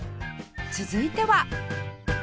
続いては